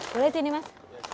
boleh sini mas